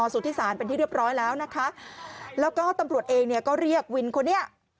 สุธิศาลเป็นที่เรียบร้อยแล้วนะคะแล้วก็ตำรวจเองเนี่ยก็เรียกวินคนนี้